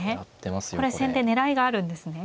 先手狙いがあるんですね。